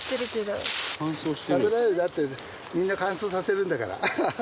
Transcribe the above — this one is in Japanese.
だってみんな乾燥させるんだから。